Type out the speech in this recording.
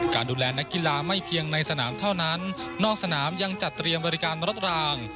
การดูแลนักกีฬาไม่เพียงในสนามเท่านั้นนอกสนามยังจัดเตรียมบริการรถราง